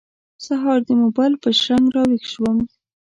سهار د موبایل په شرنګ راوېښ شوم.